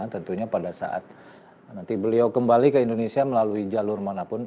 tentunya pada saat nanti beliau kembali ke indonesia melalui jalur manapun